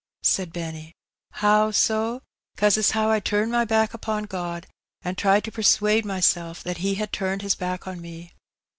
said Benny. How so? 'cause as how I turned my back upon God^ an' tried to persuade mysel' that He had turned His back on me.